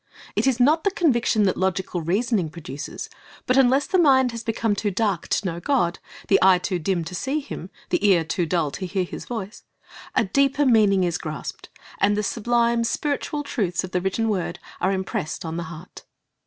It is not the conviction that logical reasoning produces; but unless the mind has become too dark to know God, the eye too dim to see Him, the ear too dull to hear His voice, a deeper meaning is grasped, and the sublime, spiritual truths of the written word are impressed on the heart.